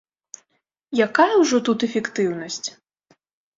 Якая ўжо тут эфектыўнасць!